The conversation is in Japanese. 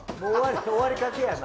終わりかけやな。